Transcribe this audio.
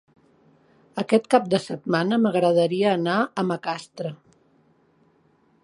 Aquest cap de setmana m'agradaria anar a Macastre.